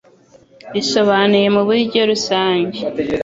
risobanuye mu buryo rusange